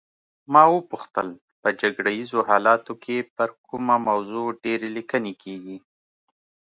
ما وپوښتل په جګړه ایزو حالاتو کې پر کومه موضوع ډېرې لیکنې کیږي.